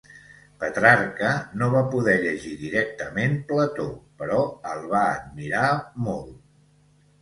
Petrarca no va poder llegir directament Plató, però el va admirar molt.